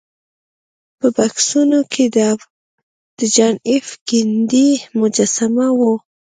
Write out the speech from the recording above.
په بکسونو کې د جان ایف کینیډي مجسمه وه